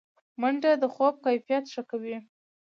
منډه د خوب کیفیت ښه کوي